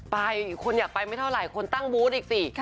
ไปคนอยากไปไม่เท่าไหร่คนตั้งบูธอีกสิ